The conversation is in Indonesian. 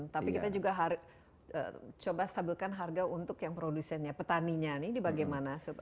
tapi kita juga coba stabilkan harga untuk yang produsennya petaninya ini bagaimana